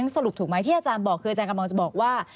สรุปถูกไหมที่อาจารย์บอกคืออาจารย์กำลังจะบอกว่า